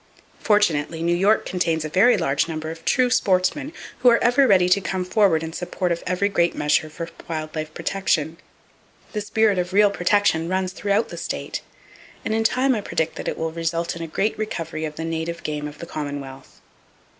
Fortunately, New York contains a very large number of true sportsmen, who are ever ready to come forward in support of every great measure for wild life protection. The spirit of real protection runs throughout the state, and in time I predict that it will result in a great recovery of the native game of the commonwealth.